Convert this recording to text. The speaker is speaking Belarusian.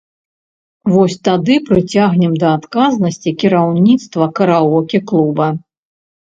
Вось тады прыцягнем да адказнасці кіраўніцтва караоке-клуба.